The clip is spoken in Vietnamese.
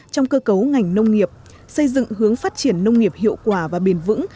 trong cơ cấu ngành nông nghiệp xây dựng hướng phát triển nông nghiệp hiệu quả và bền vững